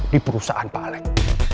di perusahaan pak alek